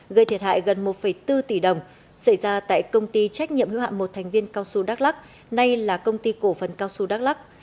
gây thiệt hại gần một bốn tỷ đồng xảy ra tại công ty trách nhiệm hưu hạm một thành viên cao su đắk lắc nay là công ty cổ phần cao xu đắk lắc